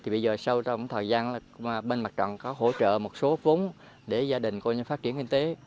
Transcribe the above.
bây giờ sau trong thời gian bên mặt trọng có hỗ trợ một số vốn để gia đình phát triển kinh tế